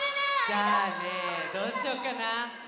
じゃあねどうしようかな？